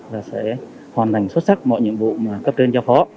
và sẽ hoàn thành xuất sắc mọi nhiệm vụ mà cấp trên giao phó